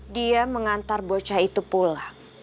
dia mengantar bocah itu pula